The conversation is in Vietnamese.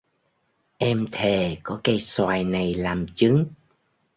Em thề có cây xoài này làm chứng